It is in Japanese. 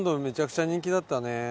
めちゃくちゃ人気だったね。